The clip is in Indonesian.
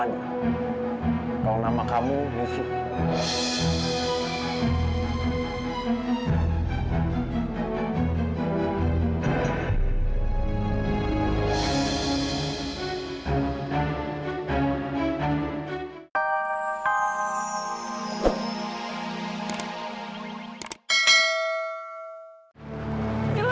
terima kasih banyak